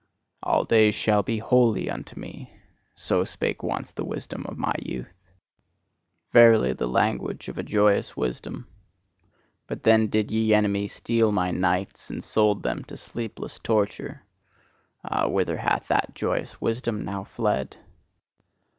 "All days shall be holy unto me" so spake once the wisdom of my youth: verily, the language of a joyous wisdom! But then did ye enemies steal my nights, and sold them to sleepless torture: ah, whither hath that joyous wisdom now fled?